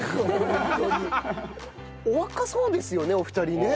お若そうですよねお二人ね。